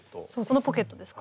このポケットですか？